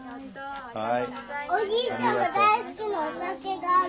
おじいちゃんが大好きなお酒がある。